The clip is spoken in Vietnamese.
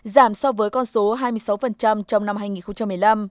giảm so với con số hai mươi sáu trong năm hai nghìn một mươi năm